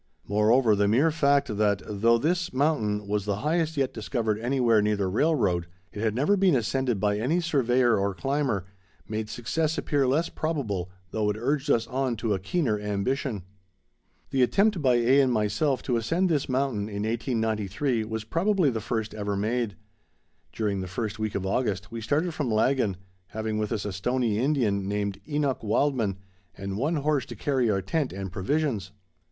Moreover, the mere fact that, though this mountain was the highest yet discovered anywhere near the railroad, it had never been ascended by any surveyor or climber, made success appear less probable, though it urged us on to a keener ambition. The attempt by A. and myself to ascend this mountain in 1893 was probably the first ever made. During the first week of August, we started from Laggan, having with us a Stoney Indian, named Enoch Wildman, and one horse to carry our tent and provisions.